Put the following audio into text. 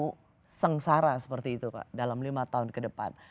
jadi anda tidak bisa mengungsara seperti itu dalam lima tahun ke depan